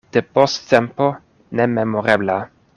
Depost tempo nememorebla.